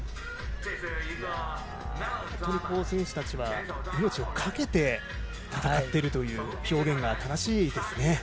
本当に選手たちは命をかけて戦っているという表現が正しいですね。